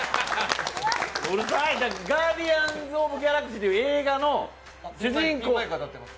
「ガーディアンズ・オブ・ギャラクシー」という映画の主人公ピンマイク当たってます。